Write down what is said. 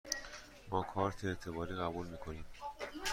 ما کارت اعتباری قبول می کنیم.